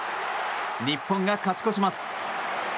日本が勝ち越します。